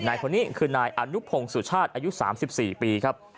นายคนนี้คือนายอนุพงศ์สุชาติอายุ๓๔ปีครับ